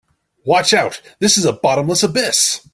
Watch out, this is a bottomless abyss!